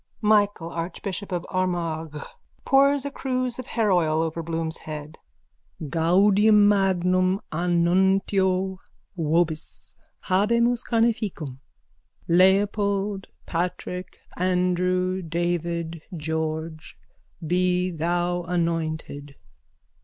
MICHAEL, ARCHBISHOP OF ARMAGH: (Pours a cruse of hairoil over Bloom's head.) Gaudium magnum annuntio vobis. Habemus carneficem. Leopold, Patrick, Andrew, David, George, be thou anointed!